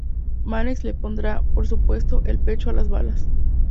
Mannix le pondrá, por supuesto, el pecho a las balas.